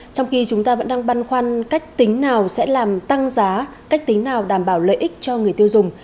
trong khi chúng ta vẫn đang băn khoăn cách tính nào sẽ làm tăng giá cách tính nào đảm bảo lợi ích cho người tiêu dùng